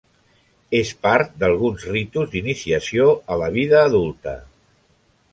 És part d'alguns ritus d'iniciació a la vida adulta.